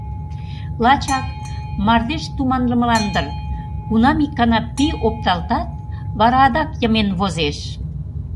Лачак — мардеж туманлымылан дыр — кунам ик гана пий опталтат, вара адак йымен возеш.